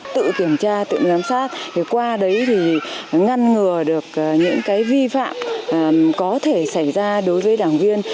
tự kiểm tra tự giám sát qua đấy thì ngăn ngừa được những vi phạm có thể xảy ra đối với đảng viên